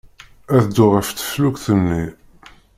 Ad dduɣ ɣef teflukt-nni.